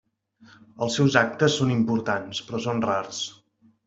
Els seus actes són importants, però són rars.